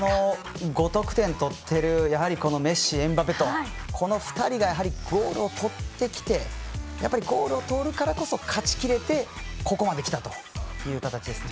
５得点取っているメッシ、エムバペとこの２人がゴールをとってきてやっぱり、ゴールをとるからこそ勝ちきれてここまできたという形ですね。